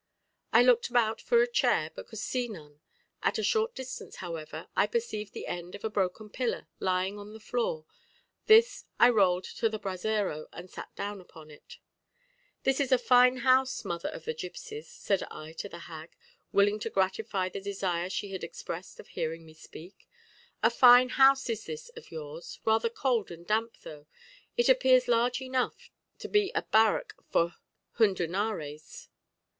I looked about for a chair, but could see none: at a short distance, however, I perceived the end of a broken pillar lying on the floor; this I rolled to the brasero, and sat down upon it. "This is a fine house, mother of the gipsies," said I to the hag, willing to gratify the desire she had expressed of hearing me speak; "a fine house is this of yours, rather cold and damp, though; it appears large enough to be a barrack for hundunares."